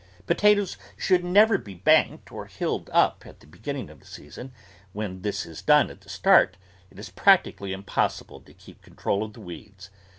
Potatoes should never be banked or hilled up at the beginning of the season; when this is done at the start, it is practicably impossible to keep control of the weeds.